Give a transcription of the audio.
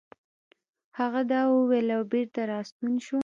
هغه دا وويل او بېرته راستون شو.